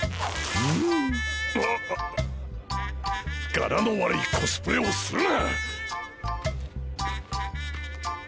柄の悪いコスプレをするな！